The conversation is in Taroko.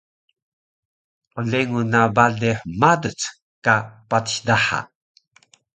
qlengun na bale hmaduc ka patis daha